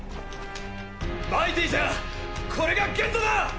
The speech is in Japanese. マイティじゃこれが限度だ！